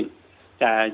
jadi paling penting vaksin